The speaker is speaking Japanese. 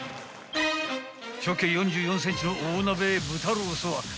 ［直径４４ｃｍの大鍋へ豚ロースをイン］